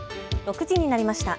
６時になりました。